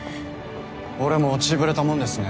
俺も落ちぶれたもんですね。